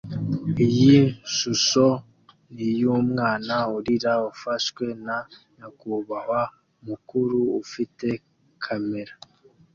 Iyi shusho niyumwana urira ufashwe na nyakubahwa mukuru ufite kamera